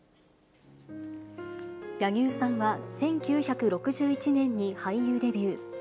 柳生さんは１９６１年に俳優デビュー。